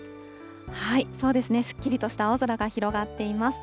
そうですね、すっきりとした青空が広がっています。